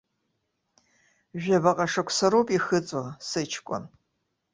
Жәабаҟа шықәса роуп ихыҵуа сыҷкәын.